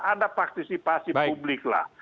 ada partisipasi publiklah